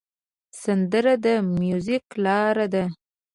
سندره د میوزیک لاره ده